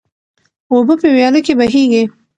اوبه په ویاله کې بهیږي.